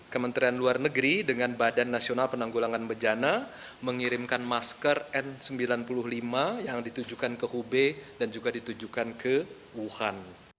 kementerian luar negeri dengan badan nasional penanggulangan bejana mengirimkan masker n sembilan puluh lima yang ditujukan ke hubei dan juga ditujukan ke wuhan